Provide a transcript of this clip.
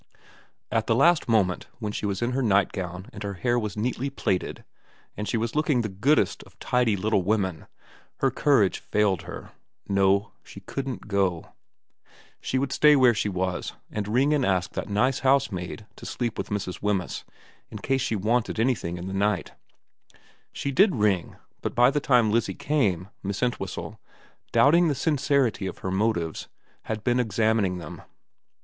At the last moment, when she was in her nightgown and her hair was neatly plaited and she was looking the goodest of tidy little women, her courage failed her. No, she couldn't go. She would stay where she was, and ring and ask that nice housemaid to sleep with Mrs. Wemyss in case she wanted anything in the night. She did ring ; but by the time Lizzie came Miss Entwhistle, doubting the sincerity of her motives, had been examining them.